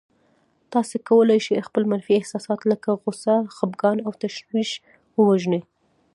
تاسې کولای شئ خپل منفي احساسات لکه غوسه، خپګان او تشويش ووژنئ.